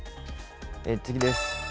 次です。